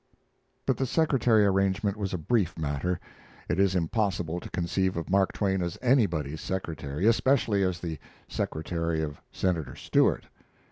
But the secretary arrangement was a brief matter. It is impossible to conceive of Mark Twain as anybody's secretary, especially as the secretary of Senator Stewart.